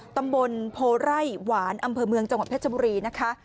ตำบลโพไร่หวานอำเภอเมืองจังหวัดเพชรบุรีนะคะ